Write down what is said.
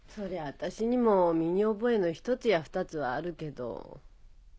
私にも身に覚えの１つや２つはあるけど。